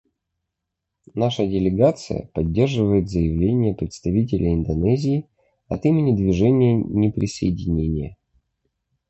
Наша делегация поддерживает заявление представителя Индонезии от имени Движения неприсоединения.